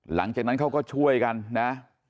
หลังจากนั้นเขาก็ช่วยกันนะ